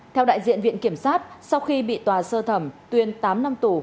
theo đại diện viện kiểm sát sau khi bị tòa sơ thẩm tuyên tám năm tù